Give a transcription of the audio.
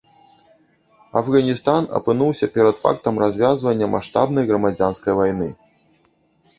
Афганістан апынуўся перад фактам развязвання маштабнай грамадзянскай вайны.